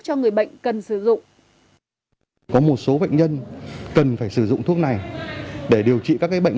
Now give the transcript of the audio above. cho người bệnh cần sử dụng có một số bệnh nhân cần phải sử dụng thuốc này để điều trị các bệnh